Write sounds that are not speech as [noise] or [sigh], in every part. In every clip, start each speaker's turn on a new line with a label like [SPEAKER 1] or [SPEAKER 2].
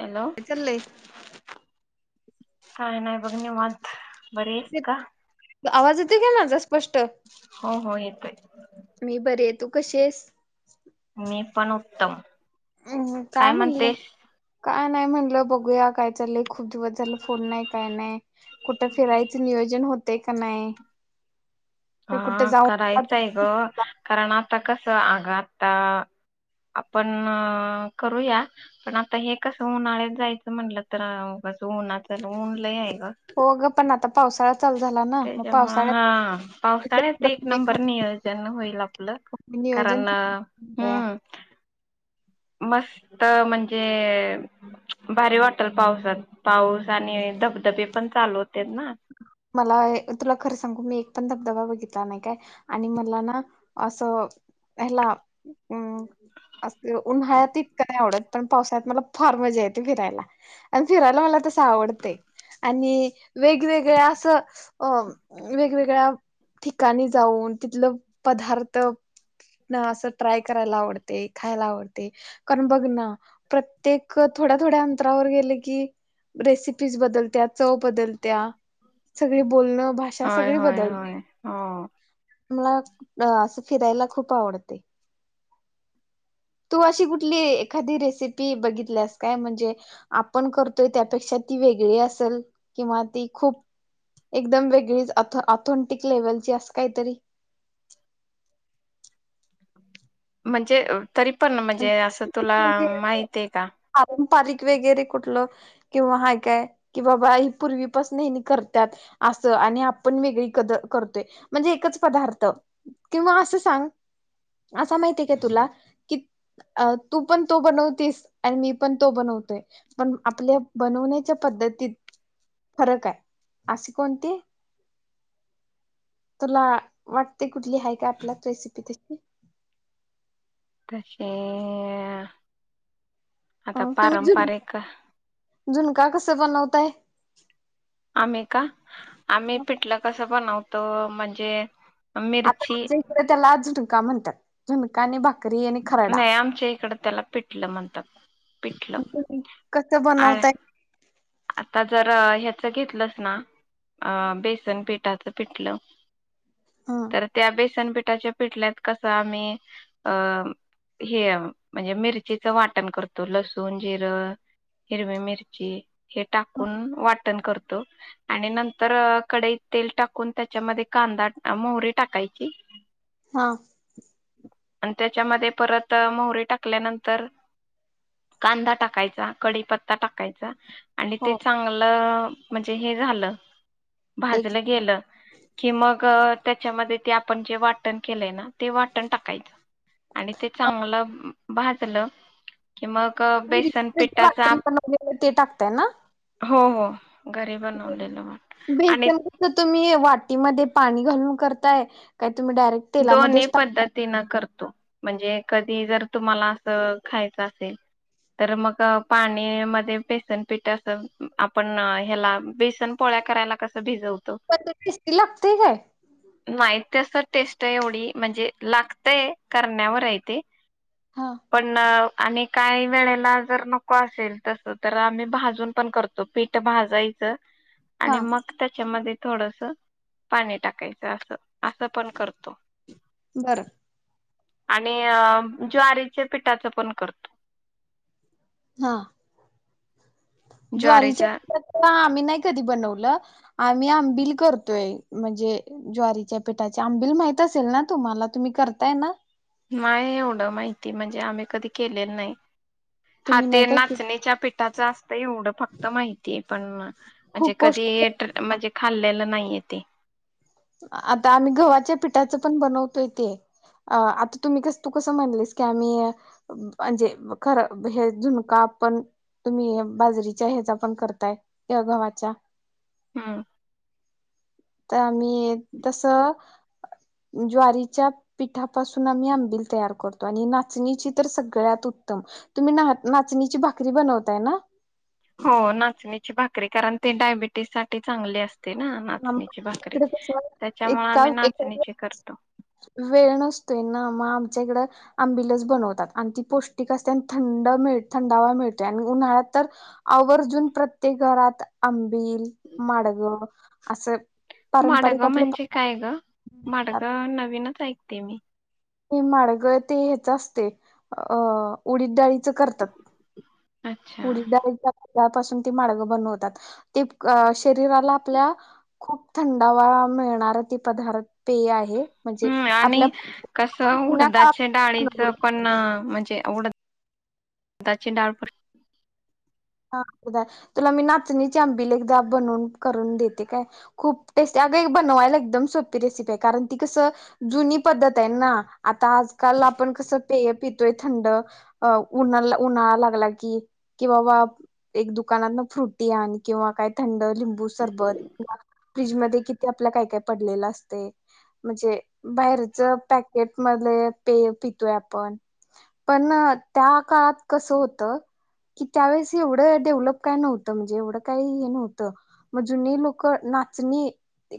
[SPEAKER 1] Hello
[SPEAKER 2] काय चाललंय?
[SPEAKER 1] काय नाय बघ निवांत. बरी आहेस का
[SPEAKER 2] आवाज येतो का माझा स्पष्ट,
[SPEAKER 1] हो हो येतोय
[SPEAKER 2] मी बरी आहेे तु कशी आहेस?
[SPEAKER 1] मी पण उ त्तम.
[SPEAKER 2] हम्म हम्म, काय म्हणलं? काय नाही म्हणलं बघूया काय चाललंय खूप दिवस झाला फोन नाही, काय नाही, कुठे फिरायच नियोजन होते का नाय?
[SPEAKER 1] हा करायचंय गं कारण आ ता कसं आगं आता आपण करूया पण आता हे कसं उन्हाळ्यात जायचं म्हणलं उगाच तर कसं उन्हाच ऊन लय आहे.
[SPEAKER 2] हो गं पण आता पावसाळा चालू झाला ना मग
[SPEAKER 1] त्याच्यामुळे
[SPEAKER 2] पावसाळ्यात
[SPEAKER 1] हा पावसाळ्यात ते एक नंबर नियोजन होईल आपलं
[SPEAKER 2] नियोजन
[SPEAKER 1] कारण हम्म. मस्त म्हणजे भारी वाटेल पावसात पाऊस आणि धबधबे पण चालू होत्यात ना.
[SPEAKER 2] मला ए तुला खर सांगू मी एक पण धबधबा बघितला नाही काय आणि मला ना असं ह्याला उन असं उन्हाळ्यात तितकं नाही आवडत पण पावसाळ्यात मला फार मजा येते फिरायला आणि फिरायला मला तसं आवडतय आणि वेगवेग ळ्या असं अ वेगवेगळ्या ठिकाणी जाऊन तिथलं पदार्थ असं ट्राय करायला आवडते, खायला आवडते कारण बघ ना प्रत्येक थोड्या-थोड्या अंतरावर गेले की रेसिपीज बदलत्या, चव बदलत्या सगळे बोलणं, भाषा
[SPEAKER 1] होय
[SPEAKER 2] सगळी
[SPEAKER 1] होय होय
[SPEAKER 2] बदलते.
[SPEAKER 1] हो
[SPEAKER 2] मला आ असं फिरायला खूप आवडते. तु अशी कुठली एखादी रेसिपी बघितल्यास काय? म्हणजे आपण करतोय त्यापेक्षा ती वेगळी असेल किंवा ती खूप एकदम वेगळीच ऑथ ऑथेंटिक लेवलची अस काहीतरी
[SPEAKER 1] म्हणजे तरी पण म्हणजे असं तुला माहित आहे का?
[SPEAKER 2] पारीख वगैरे कुठलं किंवा हाय काय कि बाबा ही पूर्वीपासन हीनी करत्यात असं आणि आपण वेगळी कद करतोय म्हणजे एकच पदार्थ किंवा असं सांग असा माहितीय का तुला कि अ तू पण तो बनवतीस आणि मी पण तो बनवतोय पण आपल्या बनवण्याच्या पद्धतीत फरक आहे अशी कोणती तुला वाटते कुठली हाय काय आपल्या रेसिपी तशी?
[SPEAKER 1] तशी आ
[SPEAKER 2] ह तुम्ही झुण झुणका कसं बनवताय? [inaudible]
[SPEAKER 1] आम्ही का, आम्ही पिठलं कसं बनवतो म्हणजे
[SPEAKER 2] आपण
[SPEAKER 1] मिरची
[SPEAKER 2] अजून त्याला झुणका म्हणत्यात. झुनका नी भाक
[SPEAKER 1] नाही आमच्या इकड त्याला पिठलं म्हणतात, पिठलं
[SPEAKER 2] मग तुम्ही कसं
[SPEAKER 1] आणि
[SPEAKER 2] बनवताय
[SPEAKER 1] आता जर ह्याच घेतलंस ना बेसन पिठाचं पिठलं.
[SPEAKER 2] हं,
[SPEAKER 1] तर त्या बेसन पिठ टच्या पिटल्यात कसं आम्ही अ हे म्हणजे मिरचीच वाटण करतो, लसूण, जिरं, हिरवी मिरची. हे
[SPEAKER 2] हं,
[SPEAKER 1] टाकून वाटण करत. आणि नंतर कडईत तेल टाकून त्याच्यामध्ये कांदा मोहरी टाकायची.
[SPEAKER 2] हा
[SPEAKER 1] आणि त्याच्यामध्ये परत मोहरी टाकल्यानंतर, कांदा टाकायचा कडीपत्ता टाकायचा. आणि ते
[SPEAKER 2] हो
[SPEAKER 1] चांगलं. म्हणजे हे झालं.
[SPEAKER 2] एक
[SPEAKER 1] भाजलं गेलं. कि मग त्याच्यामध्ये ते आपण जे वाटण केलंय ना, ते वाटण टाकायचं. आणि ते
[SPEAKER 2] अं,
[SPEAKER 1] चांगलं. भाजलं की मग अ,
[SPEAKER 2] मी [unintelligible]
[SPEAKER 1] बेसन
[SPEAKER 2] जे
[SPEAKER 1] पिठाचा
[SPEAKER 2] वाटण
[SPEAKER 1] आप-
[SPEAKER 2] बनवलेल ते टाकतय ना?
[SPEAKER 1] हो हो घरी बनवलेलं म्हट आणि
[SPEAKER 2] टी मध्ये पाणी घालून करताय का
[SPEAKER 1] दोनही पद्धतीन करत म्हणजे कधी जर तुम्हाला असं खायचं असेल तर मग पाणी मध्ये बेसनपिठ अस, आपण ह्याला बेसन पोळ्या करायला कसं भिजवतो.
[SPEAKER 2] ती लागतय काय?
[SPEAKER 1] माहिती अस टेस्ट एवढी म्हणजे लागतय करण्यावर आहे ते.
[SPEAKER 2] हा
[SPEAKER 1] पण अनेक काही वेळेला जर नको असेल तस तर, आम्ही भाजून पण करतो पीठ भाजायचं. आणि
[SPEAKER 2] हा
[SPEAKER 1] मग त्याच्यामध्ये थोडस पाणी टाकायचं असं, असं पण करत. त [inaudible]
[SPEAKER 2] बरं.
[SPEAKER 1] आणि ज्वारीच्या पिठाच पण करतो.
[SPEAKER 2] हा [unintelligible] ज्वारीच्या पिठाच आम्ही नाही कधी बनवलं. आम्ही आंबिल करतोय, म्हणजे ज्वारीच्या पिठाचे आंबिल माहित असेल ना तुम्हाला, तुम्ही करताय ना.
[SPEAKER 1] नाहीय एवढं माहिती, म्हणजे आम्ही कधी केलेलं नाही. हा
[SPEAKER 2] तुम्ही
[SPEAKER 1] ते
[SPEAKER 2] नाही काय केलं
[SPEAKER 1] नाचणीच्या पिठाच असतंय एवढं फक त माहितीय पण. म्हणजे
[SPEAKER 2] खूप
[SPEAKER 1] कधी,
[SPEAKER 2] पौष्टिक
[SPEAKER 1] म्हणजे खाल्लेलं नाही येते
[SPEAKER 2] आता आम्ही गव्हाच्या पिठाच पण बनवतोय ते, आता तुम्ही कस तू कसं म्हणलेस की आम्ही म्हणजे खरं हे झुणका पण तुम्ही बाजरीच्या ह्याचा पण करताय या गव्हाच्या
[SPEAKER 1] हम्म
[SPEAKER 2] त- मी तस ज्वारीच्या पिठापासून आम्ही आंबिल तयार करतो. आणि नाचणीची तर सगळ्यात उत्तम. तुम्ही नाह नाचणीची भाकरी बनवताय ना?
[SPEAKER 1] हो. नाचणीची भाकरी कारण ते डायबिटीज साठी चांगली अस-
[SPEAKER 2] हाम इकडं कस
[SPEAKER 1] त्याच्यामुळे
[SPEAKER 2] एका
[SPEAKER 1] आम्ही
[SPEAKER 2] ए
[SPEAKER 1] नाचणीची करतो
[SPEAKER 2] वेळ नसतोय ना म आ- मच्या हीकडं आंबीलच बनवतात. आणि ती पोष्टिक असते आण थंड मिळ थंडावा मिळतोय. आणि उन्हातर आवरजून प्रत्येक घात आं- बिल, माडग पारंपरिक
[SPEAKER 1] माडगं
[SPEAKER 2] आपलं
[SPEAKER 1] म्हणजे काय ग? माडगं नवीनच ऐक- ते मी.
[SPEAKER 2] हे माडग ते ह्येच असतय. अ उडीद डाळीचं करतात.
[SPEAKER 1] अच्छा
[SPEAKER 2] उडीदडाळी- पासून ते माडगूळकर बनवतात. ते अ शरीराला आपल्या खूप थंडावा मिळणार ती पदार्थ, पेय आहे. म्हणजे
[SPEAKER 1] हम्म आणि
[SPEAKER 2] आपल्या
[SPEAKER 1] कस
[SPEAKER 2] जुन्या
[SPEAKER 1] उडदाच्या डाळीच
[SPEAKER 2] काळात
[SPEAKER 1] पण म्हणजे. उड दाची डाळ
[SPEAKER 2] हा तुला मी नाचणीची आंबिल एकदा बनवून करून देते काय. खूप टेस्टी अग बनवायला एकदम सोपी रेसिपीय, कारण ती कसं जुनी पद्धत आहे ना. आता आजकाल आपण कसं पेय पितोय थंड उन्हा उन्हाळा लागला कि, कि बाबा एक दुकानात फ्रुटी आण किंवा काय थंड लिंबू सरबतं फ्रीजमध्ये किती आपल्या काय काय पडलेलं असतय. म्हणजे बाहेरच पॅकेट मधे पे पितोय आपण पण त्या काळात कस होत कि त्यावेळेस एवढं डेव्हलप काय नव्हतं म्हणजे एवढं काही हे नव्हतं. म जुनी लोक नाचणी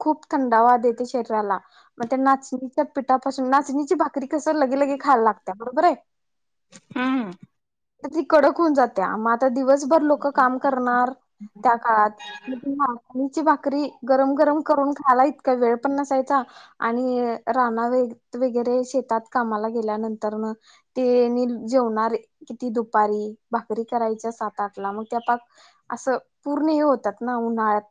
[SPEAKER 2] खूप थंडावा देते, शरीराला मग त्या नाचणीच्या पिठापासून नाचणीची भाकरी कस लगेलगे खायला लागत्या बरोबर आहे.
[SPEAKER 1] हम
[SPEAKER 2] ती कडक होऊन जात्या. म आ- ता दिवस- भर लोक काम करणार, त्या काळात म नाचणीची भाकरी गरम गरम करून खायला इतका वेळ पण नसायचा, आणि राना त व वगैरे शेतात कामाला गेल्यानंतरन तेनी जेवणारे, किती दुपारी भाकरी करायच्या सात आठला मग त्या पाक असं पूर्ण हे होतात ना, उन्हाळ्यात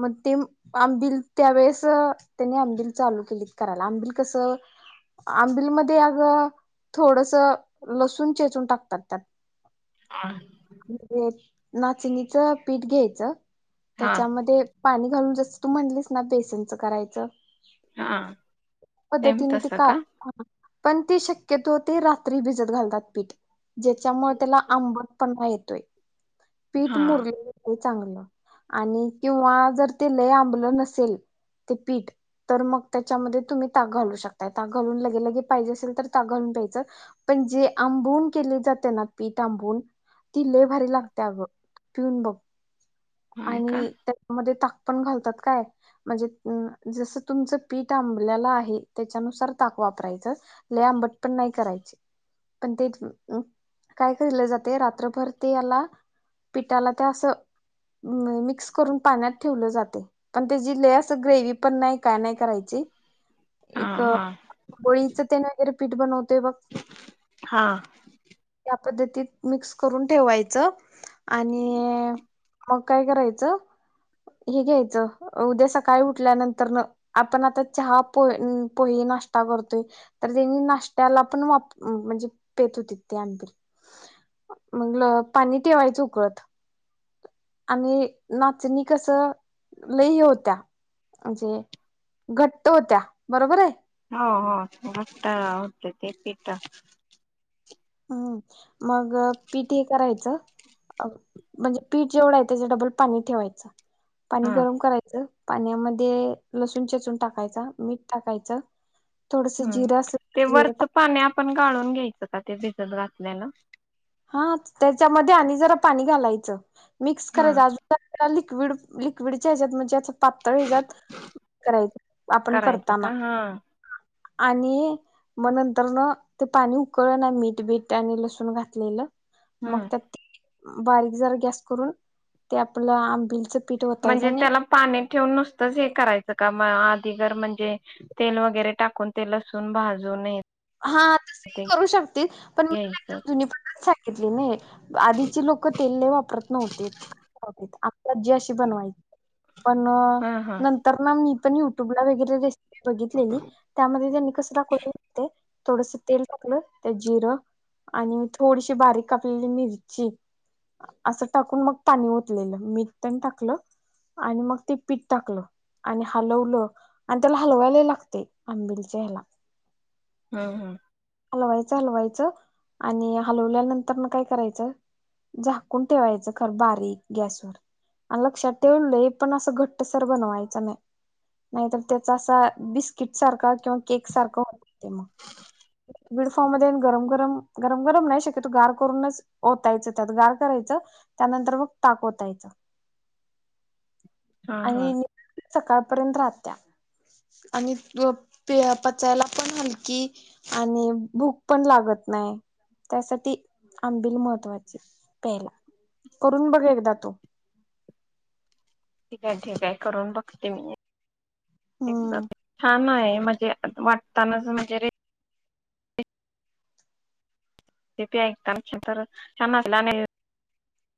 [SPEAKER 2] मग ते आंबिल त्यावेेळेस त्यानी आंबिल चालू केली करायला, आंबिल कसं आंबिलमध्ये अग थोडस लसून चेचून टाकतात त्यात.
[SPEAKER 1] हा
[SPEAKER 2] म्हणजे नाचणीचं पीठ घ्यायचं
[SPEAKER 1] हा.
[SPEAKER 2] त्याच्यामध्ये पाणी घालून जास तू म्हणलीस ना बेसनचं करायचं
[SPEAKER 1] हा. सेम
[SPEAKER 2] पद्धतीने ते
[SPEAKER 1] तसं
[SPEAKER 2] का- पण ती शक्यतो ते रात्री भिजत घालतात पीठ. ज्याच्यामुळे त्याला आंबट- पना येतोय.
[SPEAKER 1] हा
[SPEAKER 2] पीठ मुरल की चांगलं, आणि किंवा जर ते लय आंबलं नसेल ते पीठ तर मग त्याच्यामध्ये तुम्ही ताक घालू शकताय. ताक घालून लगे लगे पाहिजे असेल तर ताक घालून प्यायचं. पण जे आंबून केले जाते ना पीठ आंबून ति लय भारी लागत् या आग, पिऊन बघ.
[SPEAKER 1] हाय का?
[SPEAKER 2] आणि, त्या मध्ये टा पण घालतात काय, म्हणजे अं जसं तुमच पीठ आंबल्याला आहे त्याच्यानुसार ताक वापरायचं. लय आंबट पण नाही करायचे. पण ते अं काय केले जाते रात्रभर ते याला पिठाला त्या असं म् मिक्स करून पाण्यात ठेवलं जाते. पण तेजी लय असं ग्रेव्ही पण नाही काय नाही करायची.
[SPEAKER 1] हा
[SPEAKER 2] एक
[SPEAKER 1] हा
[SPEAKER 2] बोळीचं तेन वगैरे पिट बनव ते वक्
[SPEAKER 1] हा
[SPEAKER 2] [unintelligible] पद्धतीत मिक्स करून ठेवायचं. आणि मग काय करायचं, हे घ्यायचं उद्या सकाळी उठल्यानंतरनं आपण आता चहा पो न पोहे नाष्टा करतोय तर त्यांनी नाष्टलापण वाप म्हणजे पेत होती ते आणनपीर. मग ल पाणी ठेवायचं उकळत. आणि नाचणी कसं लय हे होत्या, म्हणजे घट्ट होत्या बरोबर आय.
[SPEAKER 1] हो-हो मोठं होतं ते पिता.
[SPEAKER 2] हम् मग पीठ हे करायचं म्हणजे पीठ जेवढं आहे त्याज्या डबल पाणी ठेवायचं. पाणी
[SPEAKER 1] हा
[SPEAKER 2] गरम करायचं. पाण्यामध्ये लसूण चेचून टाकायचा, मीठ टाकायचं. थोडस
[SPEAKER 1] हम्म,
[SPEAKER 2] जिरं असेल
[SPEAKER 1] ते
[SPEAKER 2] तर जिरं
[SPEAKER 1] वरचं
[SPEAKER 2] टाकायचं
[SPEAKER 1] पानी आपण गाळून घ्यायचं. का ते भिजत घातलय ना.
[SPEAKER 2] हां, त्याच्या मध्ये आणि जरा पाणी घालायचं. मिक्स
[SPEAKER 1] हा
[SPEAKER 2] करायचा आजू [unintelligible] क्विड लिक्विडच्या हेज्यात म्हणजे असं पातळ हेज्यात करायचं. आपण
[SPEAKER 1] करायचं का?
[SPEAKER 2] करताना.
[SPEAKER 1] हा
[SPEAKER 2] आणि, म नंतरनं ते पाणी उकळं ना मीठ बीट ते आणि लसूण घा च्नेलं मग
[SPEAKER 1] हम्म
[SPEAKER 2] त्यात बारीक जरा गॅस करून, ते आपलं आंबिलचं पीठ होतायचं
[SPEAKER 1] म्हणजे
[SPEAKER 2] आणि
[SPEAKER 1] त्याला पाणी ठेवून नुसतंच हे करायचं का म आ ती गर म्हणजे, तेल वगैरे टाकून ते लसून भाजू नयेत.
[SPEAKER 2] हां, तसही करू शकते. पण मी तुला
[SPEAKER 1] घ्यायचं.
[SPEAKER 2] एकदम जुनी पद्धत सांगितली नही. आधीची लोकं तेल लय वापरत नव्हतीत. आ आजी अशी बनवाय. पण
[SPEAKER 1] हा हा
[SPEAKER 2] नंतर ना मी पण युट्युब ला वगैरे रेस बघितले मी त्यामध्ये त्यांनी कसं दाखवलं होतंय. थोडस तेल टाकलं, त्या जिरं, आणि थोडीशी बारीक कापलेली मिरची, असं टाकून मग पाणी ओतलेलं. मीठ पण टाकलं, आणि मग ते पीठ टाकलं, आणि हलवलं. आणि त्याला हलवाय लई लागते, आंबिलच्या ह्याला.
[SPEAKER 1] हम्-हम्
[SPEAKER 2] अलवायचं हलवायचं, आणि हालवल्यानंतरनं काय करायचं, झाकून ठेवायचं खर बारीक गॅसवर. आण् लक्षात ठेव लय पण असं घट्टसर बनवायचं नाही. नाहीतर त्याचा असा बिस्किट सारखा किंवा केक सारखा होतंय मग. विडफॉम मध्ये न् गरम-गरम, गरम-गरम नाही शक्यतो गार करूनच ओतायचं त्यात गार करायचं त्यानंतर मग ताक ओतायचं.
[SPEAKER 1] हां-हां
[SPEAKER 2] आणि सकाळपर्यंत राहत्या आणि ते प पचायला पण हलकी आणि भूक पण लागत नाही त्यासाठी आंबिल महत्त्वाच प्यायला करून बघ एकदा तू.
[SPEAKER 1] ठीक आहे. ठीक आहे. करून बघते मी.
[SPEAKER 2] हम्म.
[SPEAKER 1] [unintelligible] छान आहे. म्हणजे वाटतानाच वगैरे तेबी ऐकतान तर छान वाटल आणि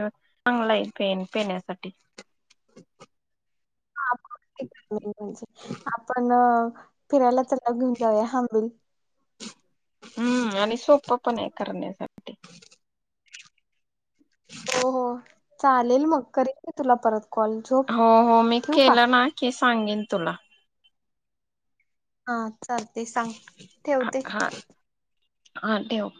[SPEAKER 1] चांगला आहे हाय पेय पिण्यासाठी.
[SPEAKER 2] हा, म्हणजे आपण फिरायला चल. घेऊन जाऊया, आबिंल
[SPEAKER 1] हम्म आणि सोपं पण आहे करण्यासाठी.
[SPEAKER 2] हो हो, चालेल मग करिन की तुला परत कॉल झोप
[SPEAKER 1] हो हो मी
[SPEAKER 2] ठेवू का?
[SPEAKER 1] केलं ना की सांगीन. तुला.
[SPEAKER 2] हा. चालतय, सांग
[SPEAKER 1] हा
[SPEAKER 2] ठेवते.
[SPEAKER 1] हा हा ठेव.